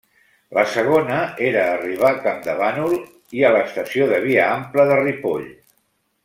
La segona era arribar a Campdevànol i a l'estació de via ampla de Ripoll.